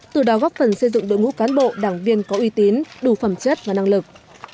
từ đó góp phần xây dựng đội ngũ cán bộ đảng viên có uy tín đủ phẩm chất và năng lực